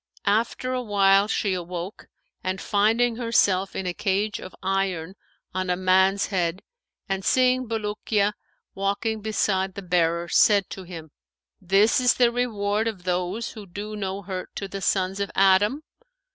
After awhile she awoke and finding herself in a cage of iron on a man's head and seeing Bulukiya walking beside the bearer, said to him, 'This is the reward of those who do no hurt to the sons of Adam.'